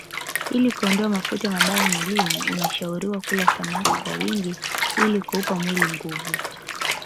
Ili kuondoa mafuta mabaya mwilini unashauriwa kula samaki kwa wingi ili kuupa mwili nguvu